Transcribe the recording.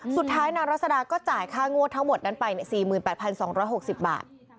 นางรัศดาก็จ่ายค่างวดทั้งหมดนั้นไป๔๘๒๖๐บาท